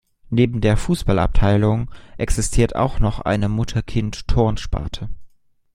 Neben der Fußballabteilung existiert auch noch eine Mutter-Kind-Turn-Sparte.